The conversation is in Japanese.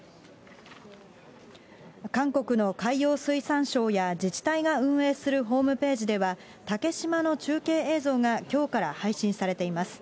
韓国の海洋水産省や、自治体が運営するホームページでは、竹島の中継映像がきょうから配信されています。